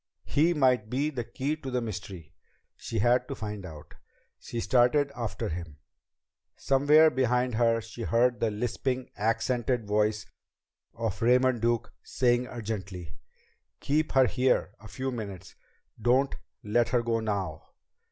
He might be the key to the mystery! She had to find out! She started after him. Somewhere behind her she heard the lisping, accented voice of Raymond Duke saying urgently: "Keep her here a few minutes! Don't let her go now!"